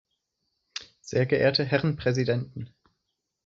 Sehr geehrte Herren Präsidenten!